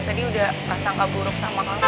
tadi udah pasangkah buruk sama kamu